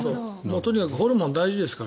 とにかくホルモン大事ですから。